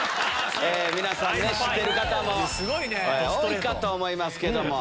皆さん知ってる方も多いかと思いますけども。